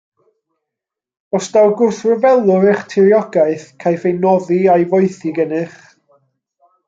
Os daw gwrthryfelwr i'ch tiriogaeth, caiff ei noddi a'i foethi gennych.